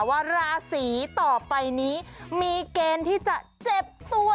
ว่าราศีต่อไปนี้มีเกณฑ์ที่จะเจ็บตัว